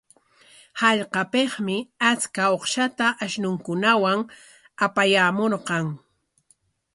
Hallqapikmi achka uqshata ashnunkunawan apayaamurqan.